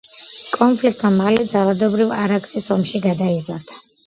კონფლიქტმა მალე ძალადობრივ არაქსის ომში გადაიზარდა.